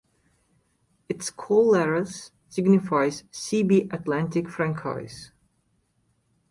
Its call letters signifies C B Atlantique Francais.